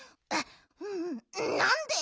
んなんで？